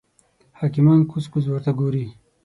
حکیمان کوز کوز ورته ګوري.